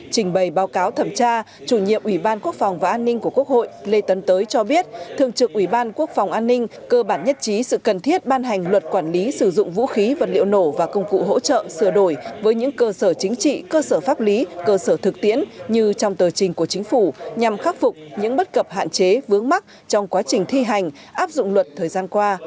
trình bày báo cáo thẩm tra chủ nhiệm ủy ban quốc phòng và an ninh của quốc hội lê tấn tới cho biết thường trực ủy ban quốc phòng an ninh cơ bản nhất trí sự cần thiết ban hành luật quản lý sử dụng vũ khí vật liệu nổ và công cụ hỗ trợ sửa đổi với những cơ sở chính trị cơ sở pháp lý cơ sở thực tiễn như trong tờ trình của chính phủ nhằm khắc phục những bất cập hạn chế vướng mắc trong quá trình thi hành áp dụng luật thời gian qua